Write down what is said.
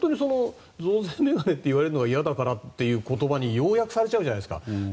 増税メガネと言われるのが嫌だからという言葉に要約されちゃうじゃないですか。